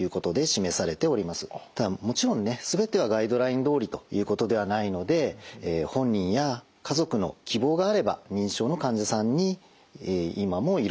ただもちろんね全てはガイドラインどおりということではないので本人や家族の希望があれば認知症の患者さんに今も胃ろうを入れることはあります。